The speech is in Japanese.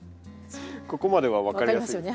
ここまでは分かります。